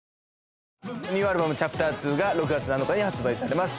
ニューアルバム「ＣｈａｐｔｅｒⅡ」が６月７日に発売されます